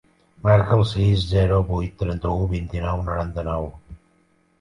Marca el sis, zero, vuit, trenta-u, vint-i-nou, noranta-nou.